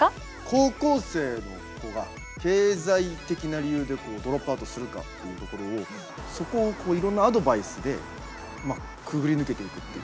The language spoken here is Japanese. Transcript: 高校生の子が経済的な理由でドロップアウトするかっていうところをそこをいろんなアドバイスでくぐり抜けていくっていう。